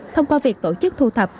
thông qua việc tổ chức thu thập